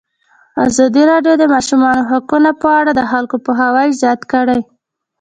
ازادي راډیو د د ماشومانو حقونه په اړه د خلکو پوهاوی زیات کړی.